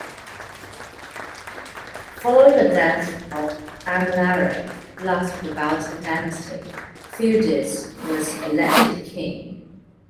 Following the death of Amalaric, last of the Balti dynasty, Theudis was elected king.